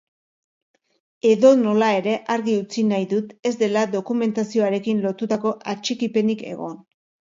Edonola ere, argi utzi nahi dut ez dela dokumentazioarekin lotutako atxikipenik egon.